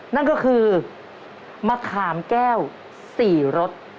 นั่นก็คือมะขามแก้ว๔รส